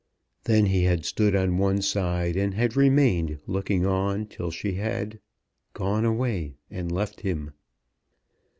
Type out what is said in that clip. Then he had stood on one side, and had remained looking on, till she had gone away and left him.